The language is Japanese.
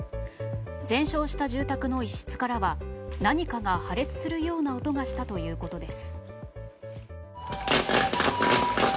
全焼した住宅の一室からは何かが破裂するような音がしたということです。